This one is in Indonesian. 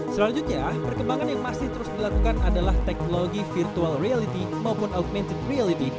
selanjutnya perkembangan yang masih terus dilakukan adalah teknologi virtual reality maupun augmented reality